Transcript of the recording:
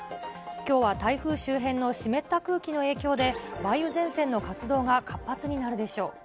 きょうは台風周辺の湿った空気の影響で、梅雨前線の活動が活発になるでしょう。